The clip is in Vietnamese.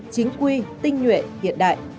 chính quy tinh nhuệ hiện đại